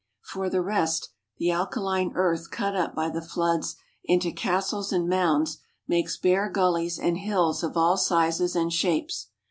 For the rest, the alkaline earth cut up by the floods into castles and mounds, makes bare gullies and hills of all sizes and shapes.